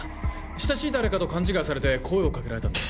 親しい誰かと勘違いされて声を掛けられたんです。